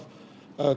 kita dari staff